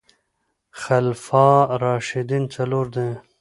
خلفاء راشدين څلور دي